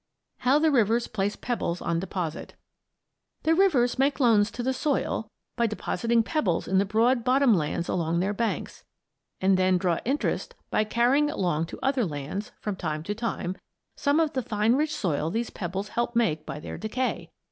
] HOW THE RIVERS PLACE PEBBLES ON DEPOSIT The rivers make loans to the soil by depositing pebbles in the broad bottom lands along their banks, and then draw interest by carrying along to other lands, from time to time, some of the fine rich soil these pebbles help make by their decay.